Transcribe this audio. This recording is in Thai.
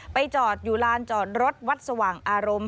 จอดอยู่ลานจอดรถวัดสว่างอารมณ์